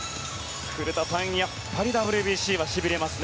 古田さん、やっぱりＷＢＣはしびれますね。